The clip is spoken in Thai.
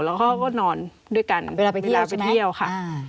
แล้วเขาก็นอนด้วยกันเวลาไปเที่ยวค่ะ